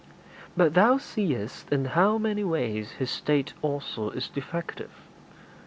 But thou seest in how many ways his state also is defective.